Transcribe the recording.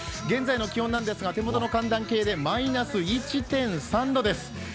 現在の気温なんですが、手元の寒暖計でマイナス１．３度です。